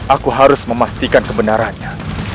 aku harus memastikan kebenarannya